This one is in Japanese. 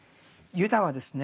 ユダはですね